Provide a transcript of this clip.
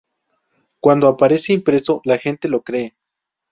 Cuando aparece impreso, la gente lo cree.